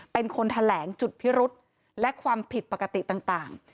เป็นคนแถลงจุดพิรุษและความผิดปกติต่าง